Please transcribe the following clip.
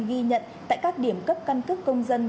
ghi nhận tại các điểm cấp căn cước công dân